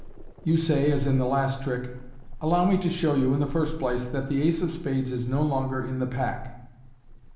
You say, as in the last trick, " Allow me to show you, in the first place, that the ace of spades is no longer in the pack."